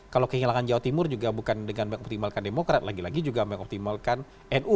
kalau kehilangan jawa timur juga bukan dengan mengoptimalkan demokrat lagi lagi juga mengoptimalkan nu